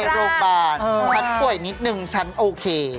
โรงพยาบาลฉันป่วยนิดนึงฉันโอเค